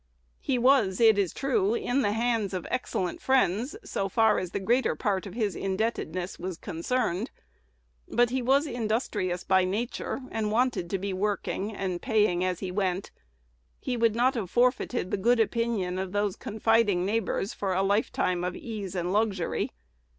He was, it is true, in the hands of excellent friends, so far as the greater part of his indebtedness was concerned; but he was industrious by nature, and wanted to be working, and paying as he went. He would not have forfeited the good opinion of those confiding neighbors for a lifetime of ease and luxury.